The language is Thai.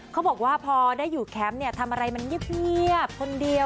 เขาบอกว่าพอได้อยู่แคมป์ทำอะไรมันเงียบคนเดียว